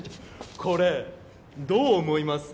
これどう思います？